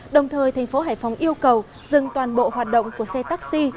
đồng thời thành phố hải phòng yêu cầu dừng toàn bộ hoạt động của xe taxi